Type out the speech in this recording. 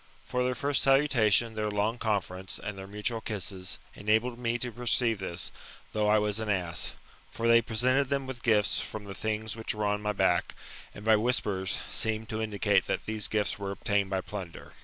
For their first salutation, their long conference, and their mutual kisses, enabled me to perceive this, though I was an ass. For they presented them with gifts from the things which were on my back ; and by whispers, seemed to indicate that these gifts were obtained by plunder.